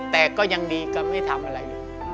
แต่ก็ยังดีก็ไม่ทำอะไร